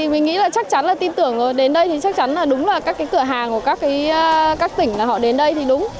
mình nghĩ là chắc chắn là tin tưởng đến đây thì chắc chắn là đúng là các cái cửa hàng của các cái các tỉnh là họ đến đây thì đúng